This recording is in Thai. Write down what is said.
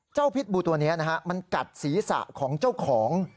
เจ้าพิษบูตัวนี้มันกัดศีรษะของเจ้าของ